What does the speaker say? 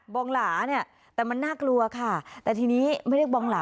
องหลาเนี่ยแต่มันน่ากลัวค่ะแต่ทีนี้ไม่ได้บองหลา